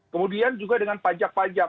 kemudian juga dengan pajak pajak